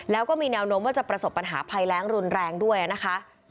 แล้วก็มีแนวโน้มว่าจะประสบปัญหาภัยแรงรุนแรงด้วยนะคะ